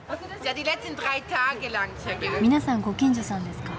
皆さんご近所さんですか？